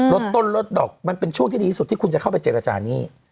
ลดต้นลดดอกมันเป็นช่วงที่ดีที่สุดที่คุณจะเข้าไปเจรจาหนี้